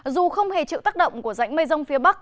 dù không hề chịu tác động của rãnh mây rông phía bắc